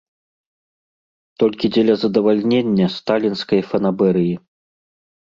Толькі дзеля задавальнення сталінскай фанабэрыі!